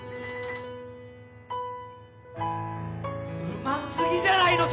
うますぎじゃないの！？